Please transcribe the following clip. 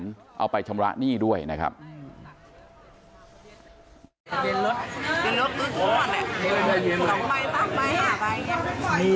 แก่เรามาเปลี่ยนท์ให้ฟันนึง